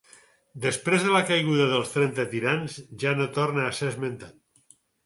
Després de la caiguda dels trenta tirans ja no torna a ser esmentat.